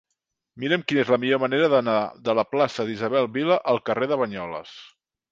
Mira'm quina és la millor manera d'anar de la plaça d'Isabel Vila al carrer de Banyoles.